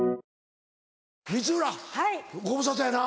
光浦ご無沙汰やな。